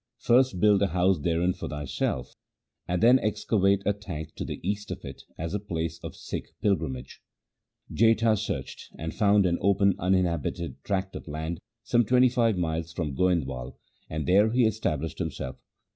First build a house therein for thyself, and then excavate a tank to the east of it as a place of Sikh pilgrimage.' 1 Jetha searched, and found an open uninhabited tract of country some twenty five miles from Goind wal, and there he established himself.